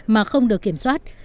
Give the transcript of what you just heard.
mà không được kiểm soát